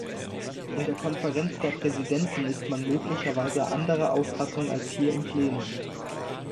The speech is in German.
In der Konferenz der Präsidenten ist man möglicherweise anderer Auffassung als hier im Plenum.